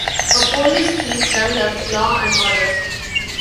A police chief developed law and order.